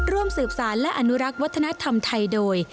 ร่วมสืบสารและอนุรักษ์วัฒนธรรมไทยโดย